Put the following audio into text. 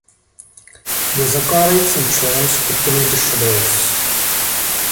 Byl zakládajícím členem skupiny The Shadows.